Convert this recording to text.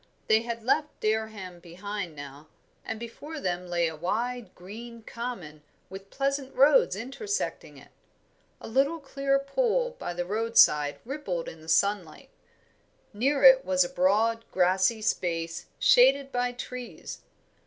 They had left Dereham behind now, and before them lay a wide, green common, with pleasant roads intersecting it. A little clear pool by the roadside rippled in the sunlight. Near it was a broad, grassy space shaded by trees.